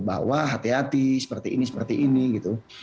bahwa hati hati seperti ini seperti ini gitu